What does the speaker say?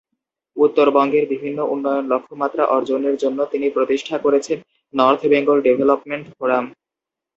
উত্তরবঙ্গের বিভিন্ন উন্নয়ন লক্ষ্যমাত্রা অর্জনের জন্য তিনি প্রতিষ্ঠা করেছেন নর্থ বেঙ্গল ডেভেলপমেন্ট ফোরাম।